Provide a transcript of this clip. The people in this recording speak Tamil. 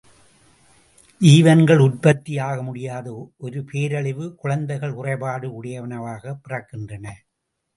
ஜீவன்கள் உற்பத்தி ஆகமுடியாத ஒரு பேரழிவு குழந்தைகள் குறைபாடு உடையனவாகப் பிறக்கின்றன.